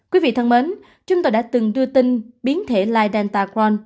quý vị thân mến chúng tôi đã từng đưa tin biến thể lydentacron